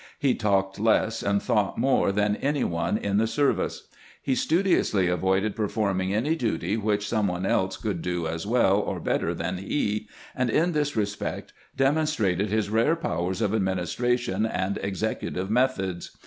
He talked less and thought more than any one in the service. He studiously avoided performing any duty which some one else could do as well or better than he, and in this respect demonstrated his rare powers of administration and executive methods.